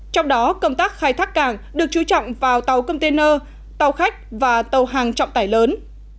trong đó công tác khai thác cảng được chú trọng vào tàu container tàu khách và tàu hàng trọng tải lớn